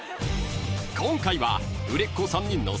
［今回は売れっ子３人の］